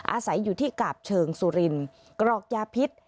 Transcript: อาศัยอยู่ที่กาบเชิงสุรินกรอกยาพิษ